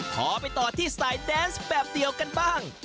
ขอไปต่อที่สายแดนส์แบบเดียวกันบ้าง